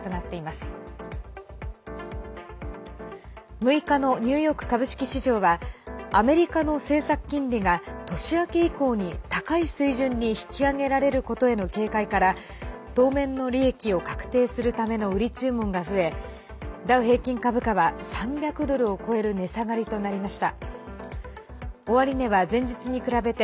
６日のニューヨーク株式市場はアメリカの政策金利が年明け以降に高い水準に引き上げられることへの警戒から当面の利益を確定するための売り注文が増えダウ平均株価は３００ドルを超える値下がりとなりました。